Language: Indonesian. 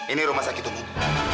ini rumah sakit umur